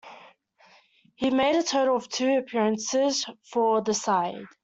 He made a total of two appearances for the side.